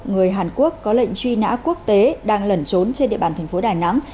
người hàn quốc có lệnh truy nã quốc tế đang lẩn trốn trên địa bàn thành phố đà nẵng